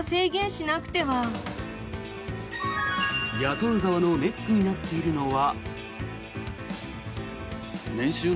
雇う側のネックになっているのは。